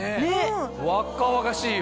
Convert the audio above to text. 若々しいよ。